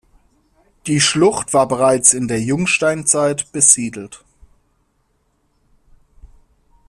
Die Schlucht war bereits in der Jungsteinzeit besiedelt.